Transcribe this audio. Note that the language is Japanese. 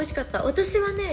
私はね